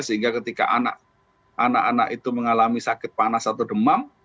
sehingga ketika anak anak itu mengalami sakit panas atau demam